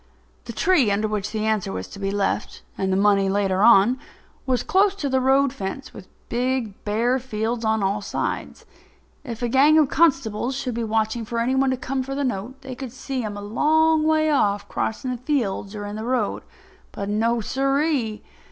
The tree under which the answer was to be left—and the money later on—was close to the road fence with big, bare fields on all sides. If a gang of constables should be watching for any one to come for the note they could see him a long way off crossing the fields or in the road. But no, sirree!